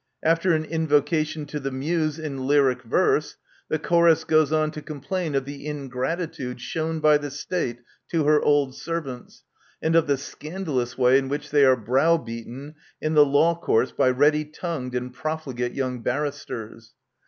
After an invocation to the Muse in !yric verse, the Chorus goes on to complain of the ingratitude shown by the State to her old servants, and of the scandalous way in which they are brow beaten in the law courts by ready tongued and profligate young barristers.